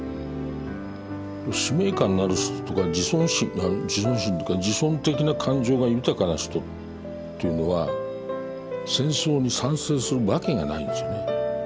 使命感のある人とか自尊心というか自尊的な感情が豊かな人というのは戦争に賛成するわけがないんですよね。